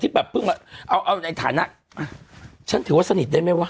แบบเพิ่งมาเอาในฐานะฉันถือว่าสนิทได้ไหมวะ